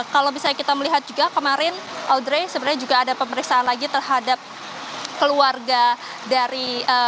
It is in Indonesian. kalau misalnya kita melihat juga kemarin audrey sebenarnya juga ada pemeriksaan lagi terhadap keluarga dari